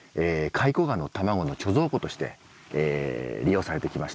蚕蛾の卵の貯蔵庫として利用されてきました。